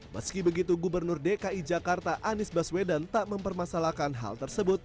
meski begitu gubernur dki jakarta anies baswedan tak mempermasalahkan hal tersebut